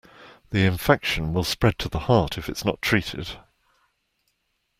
The infection will spread to the heart if it's not treated.